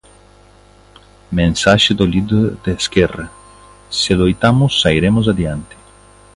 Mensaxe do líder de Esquerra: Se loitamos sairemos adiante.